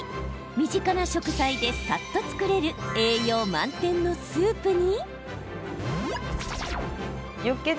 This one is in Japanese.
身近な食材で、さっと作れる栄養満点のスープに。